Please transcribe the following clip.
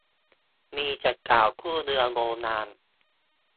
มีแต่ข่าวกู้เรือโบราณ